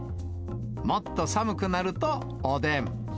もっと寒くなるとおでん。